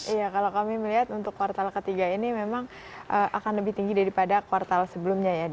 iya kalau kami melihat untuk kuartal ketiga ini memang akan lebih tinggi daripada kuartal sebelumnya ya